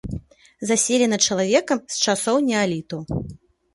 Заселена чалавекам з часоў неаліту.